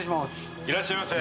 いらっしゃいませ。